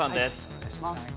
お願いします。